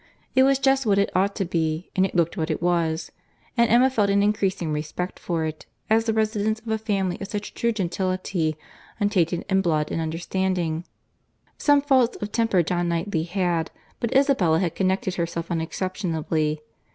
—It was just what it ought to be, and it looked what it was—and Emma felt an increasing respect for it, as the residence of a family of such true gentility, untainted in blood and understanding.—Some faults of temper John Knightley had; but Isabella had connected herself unexceptionably.